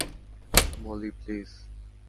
Moli, please.